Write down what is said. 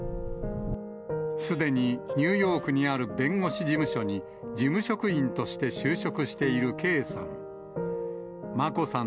すでにニューヨークにある弁護士事務所に、事務職員として就職している圭さん。